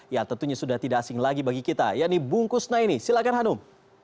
ya tentunya sudah tidak asing lagi bagi kita yaitu bungkus naini silahkan hanum